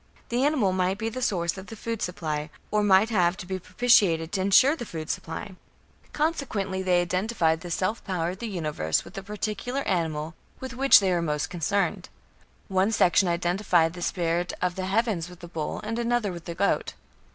The animal might be the source of the food supply, or might have to be propitiated to ensure the food supply. Consequently they identified the self power of the Universe with the particular animal with which they were most concerned. One section identified the spirit of the heavens with the bull and another with the goat.